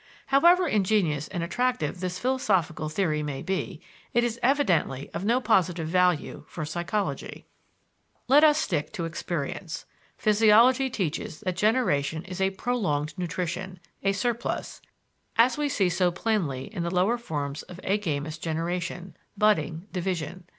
" However ingenious and attractive this philosophical theory may be, it is evidently of no positive value for psychology. Let us stick to experience. Physiology teaches that generation is a "prolonged nutrition," a surplus, as we see so plainly in the lower forms of agamous generation (budding, division).